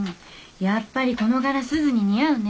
やっぱりこの柄すずに似合うね。